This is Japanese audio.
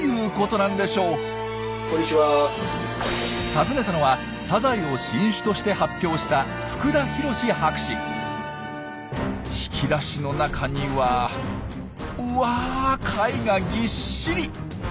訪ねたのはサザエを新種として発表した引き出しの中にはうわ貝がぎっしり！